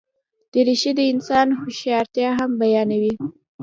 دریشي د انسان هوښیارتیا هم بیانوي.